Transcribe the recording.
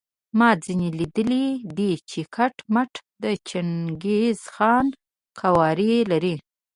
ما ځینې لیدلي دي چې کټ مټ د چنګیز خان قوارې لري.